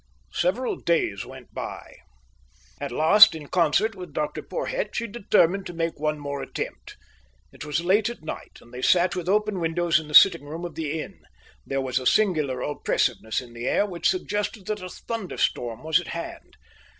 Several days went by. At last, in concert with Dr Porhoët, she determined to make one more attempt. It was late at night, and they sat with open windows in the sitting room of the inn. There was a singular oppressiveness in the air which suggested that a thunderstorm was at hand.